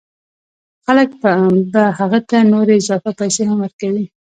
خلک به هغه ته نورې اضافه پیسې هم ورکوي